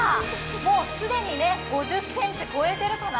もう既に５０ｃｍ超えてるかな？